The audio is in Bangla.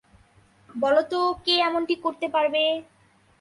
বল তো কে এমনটি করতে পারবে?